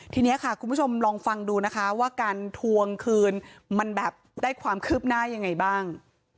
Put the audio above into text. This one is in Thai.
ทีนี้ค่ะคุณผู้ชมลองฟังดูนะคะว่าการทวงคืนมันแบบได้ความคืบหน้ายังไงบ้าง